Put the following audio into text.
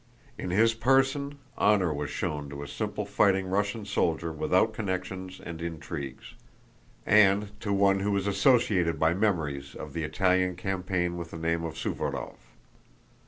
In his person, honor was shown to a simple fighting Russian soldier without connections and intrigues, and to one who was associated by memories of the Italian campaign with the name of Suvórov.